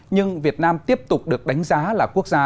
nhưng việt nam tiếp tục được đánh giá là quốc gia